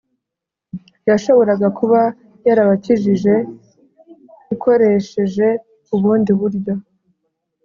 yashoboraga kuba yarabakijije ikoresheje ubundi buryo,